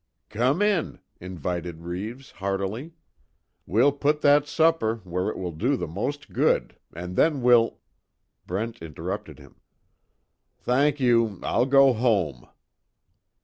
"Come in," invited Reeves, heartily, "We'll put that supper where it will do the most good, and then we'll " Brent interrupted him: "Thank you, I'll go home."